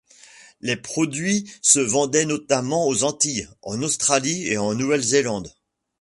Les produits se vendaient notamment aux Antilles, en Australie et en Nouvelle-Zélande.